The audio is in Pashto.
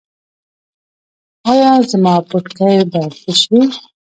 ایا زما پوټکی به ښه شي؟